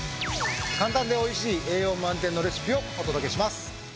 簡単で美味しい栄養満点のレシピをお届けします。